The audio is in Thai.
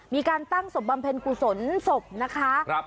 มีการตั้งศพบำเพ็ญกุศลศพนะคะ